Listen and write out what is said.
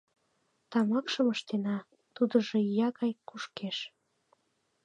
Тамакшым ыштена, тудыжо ия гай кушкеш.